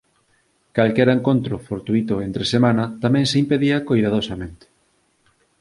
Calquera encontro fortuíto entre semana tamén se impedía coidadosamente.